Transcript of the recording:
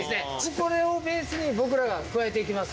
これをベースに僕らが加えていきます